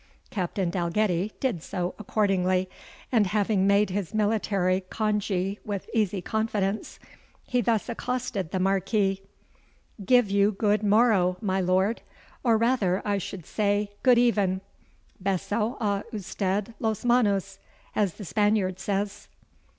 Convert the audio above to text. Captain Dalgetty did so accordingly, and having made his military congee with easy confidence, he thus accosted the Marquis: "Give you good morrow, my lord or rather I should say, good even; BESO A USTED LOS MANOS, as the Spaniard says."